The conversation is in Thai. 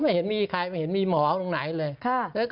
ไม่เห็นใครเข้ามาด้วย